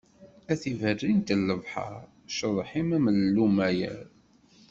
A tiberrint n lebḥer, cceḍḥ-im d llumayer.